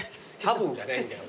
たぶんじゃないんだよ。